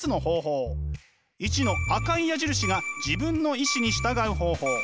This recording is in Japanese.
１の赤い矢印が自分の意志に従う方法。